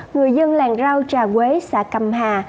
người dân làng rau trà quế xã cầm hà